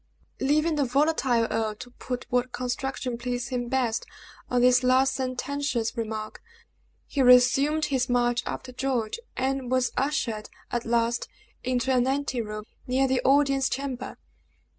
Leaving the volatile earl to put what construction pleased him best on this last sententious remark, he resumed his march after George, and was ushered, at last, into an ante room near the audience chamber.